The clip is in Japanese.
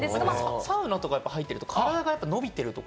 サウナとか入ってると体が伸びてるとか？